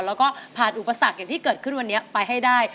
แล้วก็ผ่านอุปสรรคอย่างที่เกิดขึ้นวันนี้ไปให้ได้